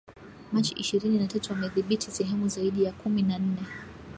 Machi ishirini na tatu wamedhibithi sehemu zaidi ya kumi na nne